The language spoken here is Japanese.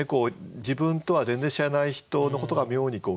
自分とは全然知らない人のことが妙に気になったりとか。